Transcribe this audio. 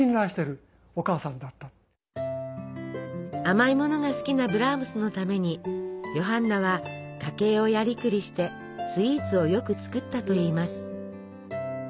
甘いものが好きなブラームスのためにヨハンナは家計をやりくりしてスイーツをよく作ったといいます。